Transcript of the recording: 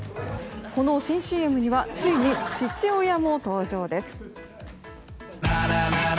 この新ＣＭにはついに父親も登場です。